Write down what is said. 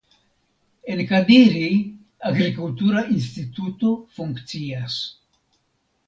En Kadiri agrikultura instituto funkcias.